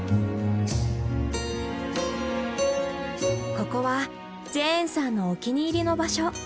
ここはジェーンさんのお気に入りの場所。